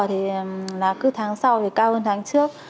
thì là cứ tháng sau thì cao hơn tháng trước